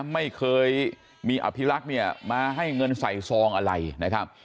ไม่เคยมีอภิรักษ์เนี่ยมาให้เงินใส่ซองอะไรนะครับ